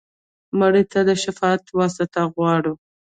مړه ته د شفاعت واسطه غواړو